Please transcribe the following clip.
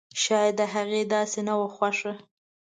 شايد د هغې داسې نه وه خوښه!